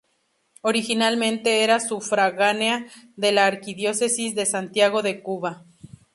Originalmente era sufragánea de la arquidiócesis de Santiago de Cuba.